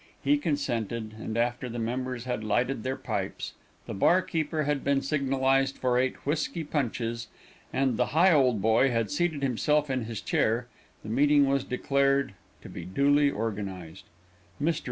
He consented, and after the members had lighted their pipes, the barkeeper had been signalized for eight whisky punches, and the Higholdboy had seated himself in his chair, the meeting was declared to be duly organized. Mr.